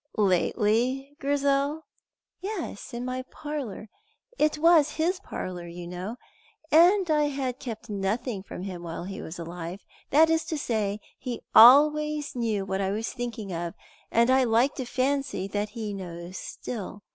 "Lately, Grizel?" "Yes, in my parlour. It was his parlour, you know, and I had kept nothing from him while he was alive; that is to say, he always knew what I was thinking of, and I like to fancy that he knows still.